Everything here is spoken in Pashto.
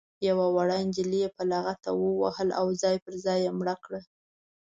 یوه وړه نجلۍ یې په لغته ووهله او ځای پر ځای یې مړه کړه.